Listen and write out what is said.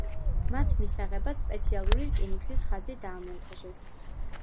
მათ მისაღებად სპეციალური რკინიგზის ხაზი დაამონტაჟეს.